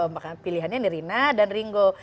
maka pilihannya di rina dan ringo